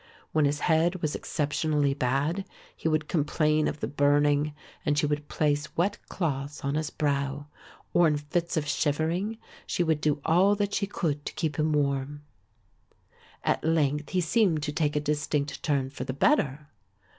When his head was exceptionally bad he would complain of the burning and she would place wet cloths on his brow, or in fits of shivering she would do all that she could to keep him warm. At length he seemed to take a distinct turn for the better.